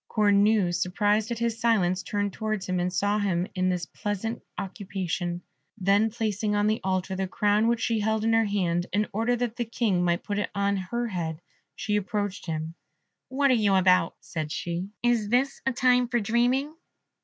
Cornue, surprised at his silence, turned towards him, and saw him in this pleasant occupation; then placing on the altar the crown which she held in her hand, in order that the King might put it on her head, she approached him. "What are you about," said she; "is this a time for dreaming?"